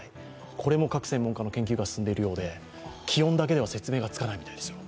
これも各専門家の研究が進んでいるようで気温だけでは説明がつかないみたいですよ。